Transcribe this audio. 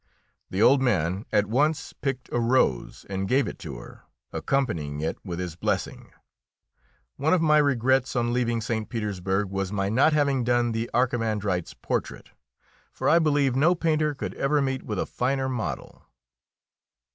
The old man at once picked a rose and gave it to her, accompanying it with his blessing. One of my regrets on leaving St. Petersburg was my not having done the archimandrite's portrait, for I believe no painter could ever meet with a finer model.